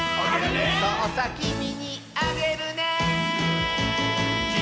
「そうさきみにあげるね」